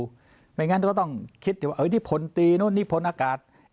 ไม่อย่างงั้นเราก็ต้องคิดนี่พนตีนู้นนั่นพนอากาศ